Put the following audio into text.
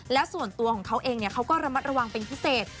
แล้วส่วนตัวของเขาเองเขาก็ระมัดระวังเป็นพิเศษ